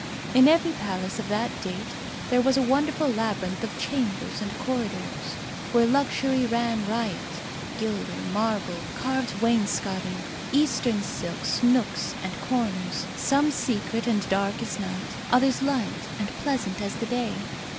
In every palace of that date there was a wonderful labyrinth of chambers and corridors, where luxury ran riot; gilding, marble, carved wainscoting, Eastern silks; nooks and corners, some secret and dark as night, others light and pleasant as the day.